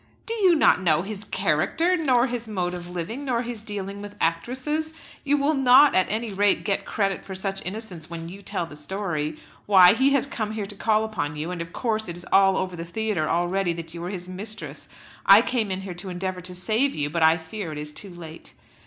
"Do you not know his character? nor his mode of living, nor his dealing with actresses? You will not at any rate get credit for such innocence when you tell the story. Why; he has come here to call upon you, and of course it is all over the theatre already that you are his mistress. I came in here to endeavour to save you; but I fear it is too late."